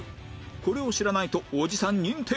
これを知らないとおじさん認定